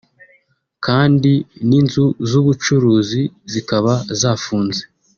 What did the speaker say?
kandi n’inzu z’ubucuruzi zikaba zafunze